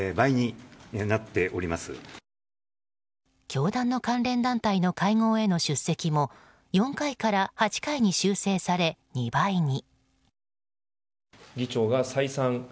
教団の関連団体の会合への出席も４回から８回に修正され、２倍に。